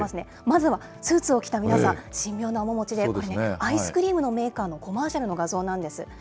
まずはスーツを着た皆さん、神妙な面持ちで、これ、アイスクリームのメーカーのコマーシャルの画像なんです。